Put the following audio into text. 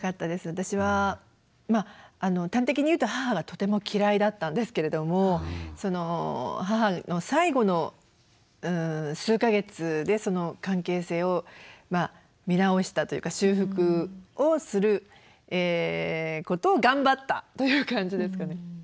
私は端的に言うと母がとても嫌いだったんですけれども母の最期の数か月でその関係性を見直したというか修復をすることを頑張ったという感じですかね。